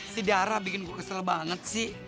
si darah bikin gue kesel banget sih